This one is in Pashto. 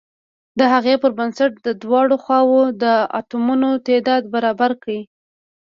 د هغې پر بنسټ د دواړو خواو د اتومونو تعداد برابر کړئ.